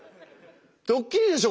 ドッキリでしょ？